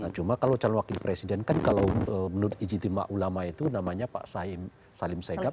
cuma kalau calon wakil presiden kan kalau menurut ijtima ulama itu namanya pak salim segap